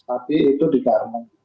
tapi itu di garmen